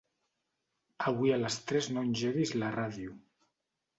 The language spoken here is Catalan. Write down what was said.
Avui a les tres no engeguis la ràdio.